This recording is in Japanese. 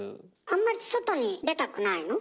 あんまり外に出たくないの？